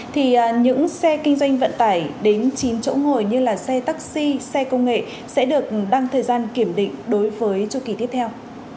thì những xe kinh doanh vận tải đến chín chỗ ngồi như là xe taxi xe công nghệ sẽ được đăng thời gian kiểm định đối với chu kỳ tiếp theo